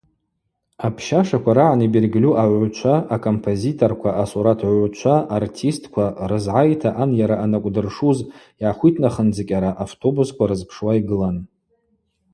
Апщашаква рагӏан йбергьльу агӏвгӏвчва, акомпозиторква, асуратгӏвгӏвчва, артистква рызгӏайта анйара анакӏвдыршуз йгӏахвитхандзыкӏьара автобусква рызпшуа йгылан.